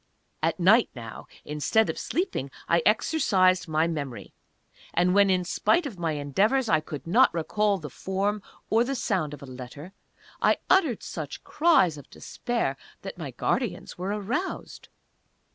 At night now, instead of sleeping, I exercised my memory; and when in spite of my endeavors I could not recall the form or the sound of a letter, I uttered such cries of despair that my guardians were aroused.